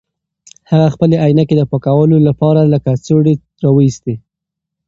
هغه خپلې عینکې د پاکولو لپاره له کڅوړې راویستې.